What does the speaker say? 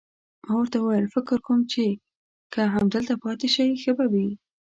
ما ورته وویل: فکر کوم چې که همدلته پاتې شئ، ښه به وي.